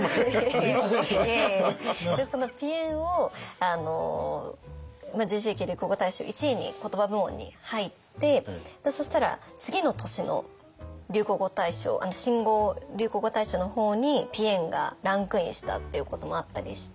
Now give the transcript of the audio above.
いやいやいやその「ぴえん」をＪＣ・ＪＫ流行語大賞１位にコトバ部門に入ってそしたら次の年の流行語大賞新語・流行語大賞の方に「ぴえん」がランクインしたっていうこともあったりして。